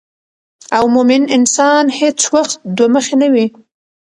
او مومن انسان هیڅ وخت دوه مخې نه وي